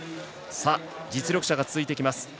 実力者が続いてきます。